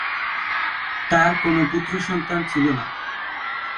তাঁর কোন পুত্রসন্তান ছিল না।